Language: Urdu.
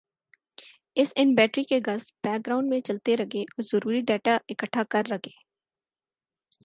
اس ان بیٹری کے گز بیک گراؤنڈ میں چلتے ر گے اور ضروری ڈیٹا اکھٹا کر ر گے